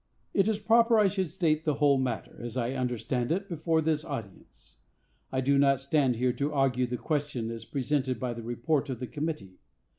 "It is proper I should state the whole matter, as I understand it, before this audience. I do not stand here to argue the question as presented by the report of the committee.